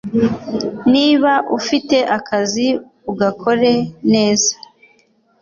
niba ufite akazi ugakore neza,